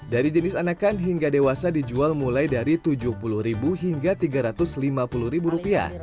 dari jenis anakan hingga dewasa dijual mulai dari rp tujuh puluh hingga rp tiga ratus lima puluh